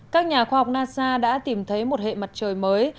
các nhà khoa học nasa đã tìm thấy một hệ mặt trời mới